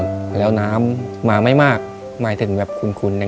ในแคมเปญพิเศษเกมต่อชีวิตโรงเรียนของหนู